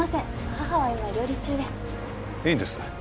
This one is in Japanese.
母は今料理中でいいんです